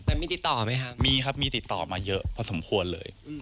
แต่มีติดต่อไหมครับมีครับมีติดต่อมาเยอะพอสมควรเลย